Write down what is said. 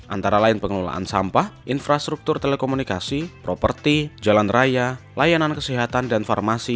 antara lain pengelolaan sampah infrastruktur telekomunikasi properti jalan raya layanan kesehatan dan farmasi